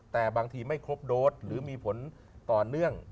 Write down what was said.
แต่บางทีไม่ครบโดสหรือมีผลต่อเนื่อง